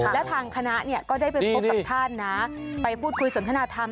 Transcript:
แล้วทางคณะก็ได้ไปพบกับท่านนะไปพูดคุยสนทนาธรรม